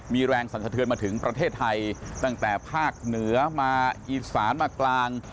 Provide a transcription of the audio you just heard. มีแรงสั่นสะเทือนมาถึงประเทศไทยตั้งแต่ภาคเหนือมาอีสานมากลาง